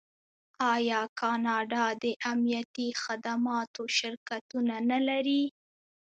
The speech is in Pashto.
آیا کاناډا د امنیتي خدماتو شرکتونه نلري؟